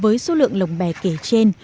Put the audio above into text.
với số lượng lồng bè kể trên